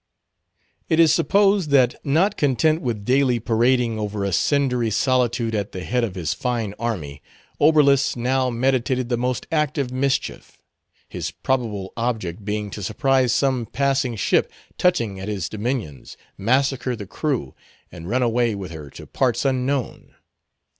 It is supposed that not content with daily parading over a cindery solitude at the head of his fine army, Oberlus now meditated the most active mischief; his probable object being to surprise some passing ship touching at his dominions, massacre the crew, and run away with her to parts unknown.